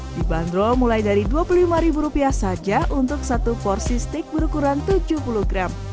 dibanderol mulai dari dua puluh lima saja untuk satu porsi steak berukuran tujuh puluh gram